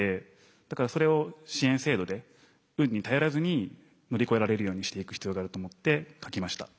だからそれを支援制度で運に頼らずに乗り越えられるようにしていく必要があると思って書きました。